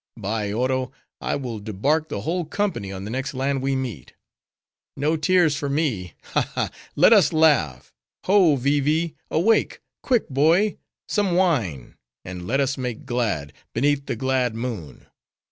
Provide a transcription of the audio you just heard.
—By Oro! I will debark the whole company on the next land we meet. No tears for me. Ha, ha! let us laugh. Ho, Vee Vee! awake; quick, boy,—some wine! and let us make glad, beneath the glad moon.